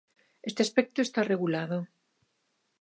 Este aspecto está regulado.